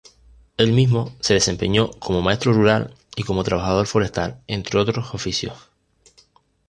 Él mismo se desempeñó como maestro rural y como trabajador forestal, entre otros oficios.